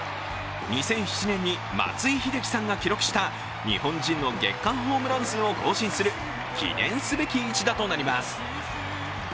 ２００７年に、松井秀喜さんが記録した日本人の月間ホームラン数を更新する記念すべき一打となりました。